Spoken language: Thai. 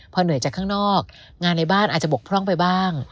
พอเหนื่อยจากข้างนอกงานในบ้านอาจจะบกพร่องไปบ้าง